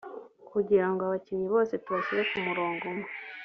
kugira ngo abakinnyi bose tubashyire ku murongo umwe